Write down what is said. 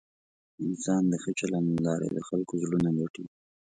انسان د ښه چلند له لارې د خلکو زړونه ګټي.